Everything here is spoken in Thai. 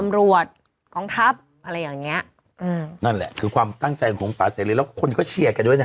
ตำรวจกองทัพอะไรอย่างเงี้ยอืมนั่นแหละคือความตั้งใจของป่าเสรีแล้วคนก็เชียร์กันด้วยนะฮะ